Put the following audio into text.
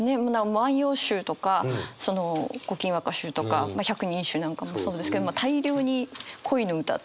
「万葉集」とか「古今和歌集」とか「百人一首」なんかもそうですけど大量に恋の歌って。